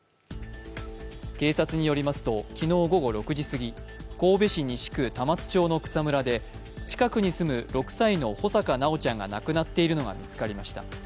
警察によりますと昨日午後６時過ぎ神戸市西区玉津町の草むらで近くに住む６歳の穂坂修ちゃんが亡くなっているのが見つかりました。